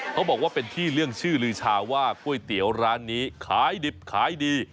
เขาบอกว่าเป็นที่เรื่องชื่อลือชาว่าก๋วยเตี๋ยวร้านนี้ขายดิบขายดี